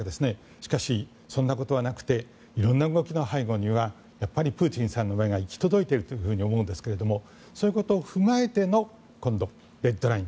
しかし、そんなことはなくて色々な動きの背後にはやっぱりプーチンさんの目が行き届いていると思うんですがそういうことを踏まえての今度、レッドライン